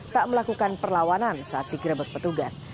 tak melakukan perlawanan saat digerebek petugas